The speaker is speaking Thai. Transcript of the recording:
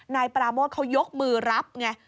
นายปราโมทเขายกมือรับไง